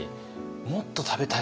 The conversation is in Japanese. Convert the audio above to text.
もっと食べたい。